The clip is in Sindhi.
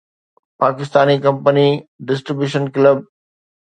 Pakistani company 'distribution club'